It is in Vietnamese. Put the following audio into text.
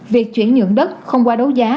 việc chuyển nhượng đất không qua đấu giá